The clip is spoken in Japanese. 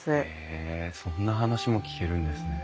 へえそんな話も聞けるんですね。